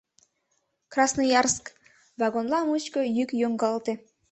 «Красноярск!» — вагонла мучко йӱк йоҥгалте.